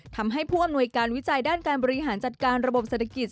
ทำให้ผู้อำนวยการวิจัยด้านการบริหารจัดการระบบเศรษฐกิจ